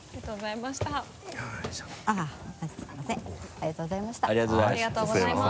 ありがとうございます。